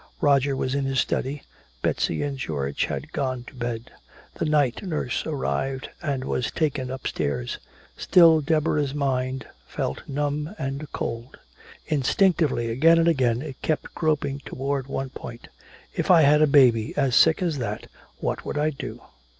Roger was in his study, Betsy and George had gone to bed. The night nurse arrived and was taken upstairs. Still Deborah's mind felt numb and cold. Instinctively again and again it kept groping toward one point: "If I had a baby as sick as that, what would I do?